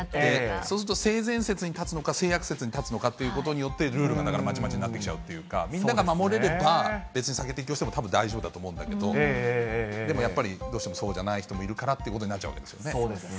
そうすると性善説に立つのか、性悪説に立つのかというところでルールがまちまちになってきちゃうというか、みんなが守れれば、別に酒を提供しても大丈夫だと思うんだけど、でもやっぱり、どうしてもそうじゃない人もいるからということになっちゃうんでそうですね。